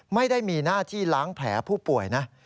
ไม่ได้มีหน้าที่ล้างแผลผู้ป่วยนะ